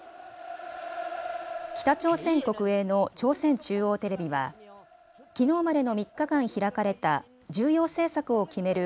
北朝鮮国営の朝鮮中央テレビはきのうまでの３日間開かれた重要政策を決める